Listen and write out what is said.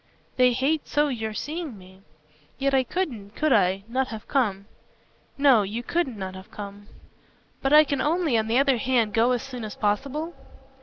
They hate so your seeing me. Yet I couldn't could I? not have come." "No, you couldn't not have come." "But I can only, on the other hand, go as soon as possible?"